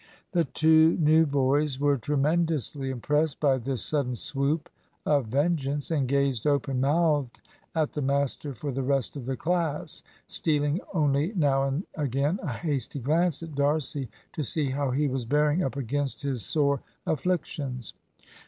The two new boys were tremendously impressed by this sudden swoop of vengeance, and gazed open mouthed at the master for the rest of the class, stealing only now and again a hasty glance at D'Arcy to see how he was bearing up against his sore afflictions.